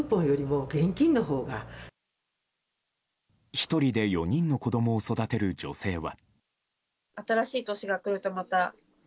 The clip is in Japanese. １人で４人の子供を育てる女性は。